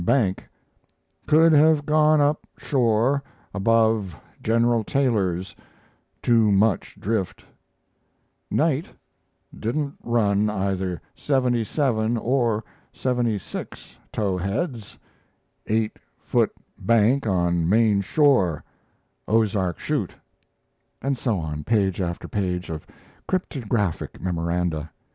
bank could have gone up shore above General Taylor's too much drift.... Night didn't run either 77 or 76 towheads 8 ft. bank on main shore Ozark Chute.... And so on page after page of cryptographic memoranda.